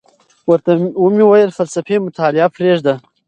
ورته ومي ویل فلسفي مطالعه پریږده،